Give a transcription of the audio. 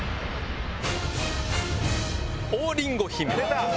「王りんご姫」。